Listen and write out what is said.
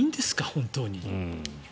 本当に。